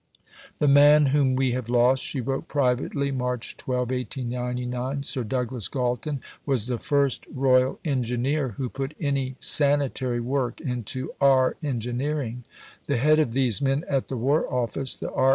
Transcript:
"The man whom we have lost," she wrote privately (March 12, 1899), "Sir Douglas Galton, was the first Royal Engineer who put any sanitary work into R. Engineering. The head of these men at the War Office, the R.